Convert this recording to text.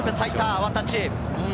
ワンタッチ。